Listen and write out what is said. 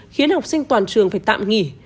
khiến học sinh toàn trường phải tạm nghỉ